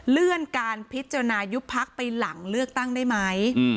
เลื่อนการพิจารณายุบพักไปหลังเลือกตั้งได้ไหม